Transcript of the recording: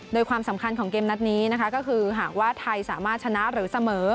โดยความสำคัญของเกมนัดนี้นะคะก็คือหากว่าไทยสามารถชนะหรือเสมอ